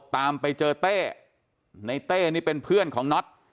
ตามไปเจอเต้ในเต้นี่เป็นเพื่อนของน็อต